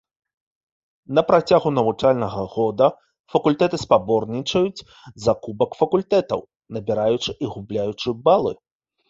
На працягу навучальнага года факультэты спаборнічаюць за кубак факультэтаў, набіраючы і губляючы балы.